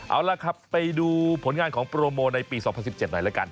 เอาล่ะครับไปดูผลงานของโปรโมในปี๒๐๑๗หน่อยแล้วกัน